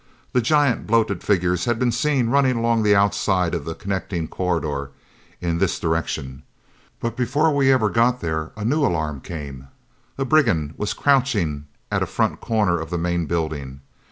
The giant bloated figures had been seen running along the outside of the connecting corridor, in this direction. But before we ever got there, a new alarm came. A brigand was crouching at a front corner of the main building!